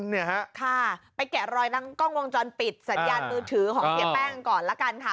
เนี่ยฮะค่ะไปแกะรอยทั้งกล้องวงจรปิดสัญญาณมือถือของเสียแป้งก่อนละกันค่ะ